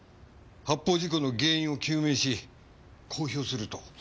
発砲事故の原因を究明し公表すると。